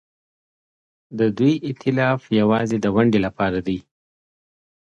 د دوی ائتلاف یوازې د ونډې لپاره دی.